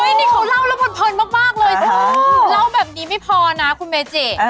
นี่เขาเล่าแล้วเพลินมากเลยเล่าแบบนี้ไม่พอนะคุณเมจิ